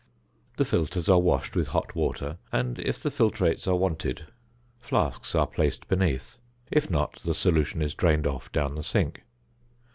The filters are washed with hot water, and if the filtrates are wanted flasks are placed beneath, if not, the solution is drained off down the sink.